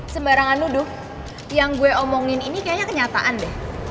sembarangan nuduh yang gue omongin ini kayaknya kenyataan deh